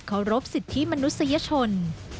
รบสิทธิมนุษยชน